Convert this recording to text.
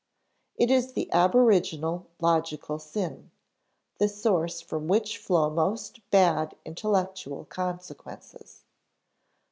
It is the aboriginal logical sin the source from which flow most bad intellectual consequences.